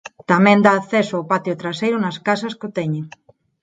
Tamén dá acceso ao patio traseiro nas casas que o teñen.